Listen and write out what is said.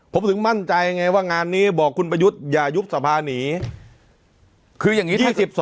ผมถึงมั่นใจไงว่างานนี้บอกคุณประยุทธ์อย่ายุบสภาหนี